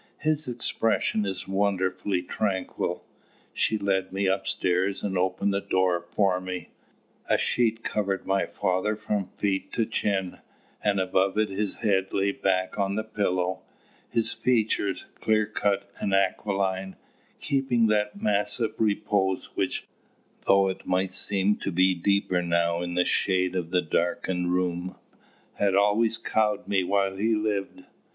His expression is wonderfully tranquil." She led me upstairs and opened the door for me. A sheet covered my father from feet to chin, and above it his head lay back on the pillow, his features, clear cut and aquiline, keeping that massive repose which, though it might seem to be deeper now in the shade of the darkened room, had always cowed me while he lived.